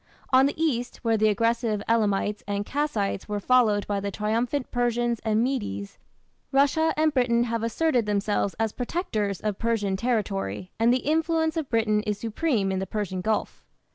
On the east, where the aggressive Elamites and Kassites were followed by the triumphant Persians and Medes, Russia and Britain have asserted themselves as protectors of Persian territory, and the influence of Britain is supreme in the Persian Gulf.